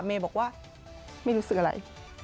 เมย์บอกว่าไม่รู้สึกอะไร